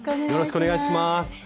よろしくお願いします。